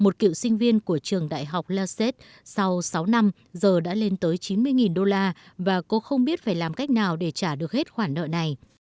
một cựu sinh viên của trường đại học laset sau sáu năm giờ đã lên tới chín mươi đô la và cô không biết phải làm cách nào để trả được hết khoản nợ này